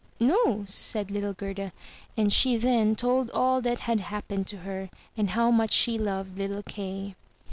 "No," said Uttle Gerda; and she then told all that had hap pened to her, and how much she loved little Kay.